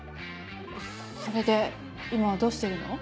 それで今はどうしてるの？